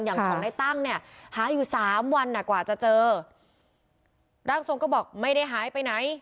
อย่างของในตั้งเนี่ยหาอยู่สามวันอ่ะกว่าจะเจอร่างทรงก็บอกไม่ได้หายไปไหน